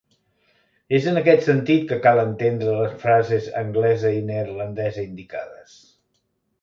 És en aquest sentit que cal entendre les frases anglesa i neerlandesa indicades.